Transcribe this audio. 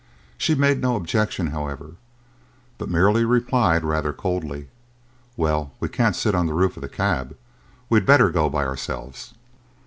She made no objection, however, but merely replied rather coldly: "Well, as we can't sit on the roof of the cab, we had better go by ourselves."